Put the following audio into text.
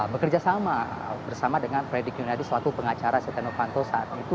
bekerja sama bersama dengan fredrik yunadi selaku pengacara setia novanto saat itu